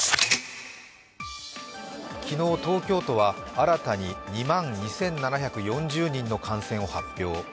昨日、東京都は新たに２万２７４０人の感染を発表。